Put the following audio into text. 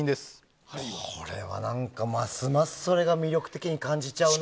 これはますますそれが魅力的に感じちゃうな。